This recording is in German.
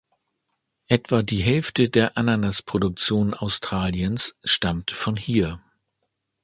Etwa die Hälfte der Ananas-Produktion Australiens stammt von hier.